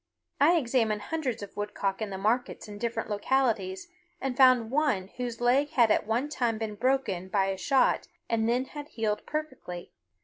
I examined hundreds of woodcock in the markets in different localities, and found one whose leg had at one time been broken by a shot and then had healed perfectly.